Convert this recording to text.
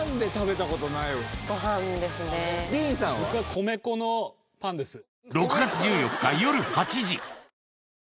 僕は米粉のパンです。